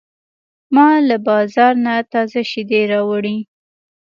ما له بازار نه تازه شیدې راوړې.